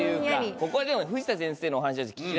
ここはでも藤田先生のお話を聞きたい。